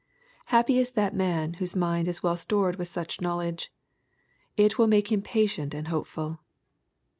Happy is that man whose mind is well stored with such knowledge. It will make him patient and hopeful.